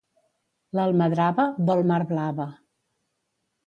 L'almadrava vol mar blava.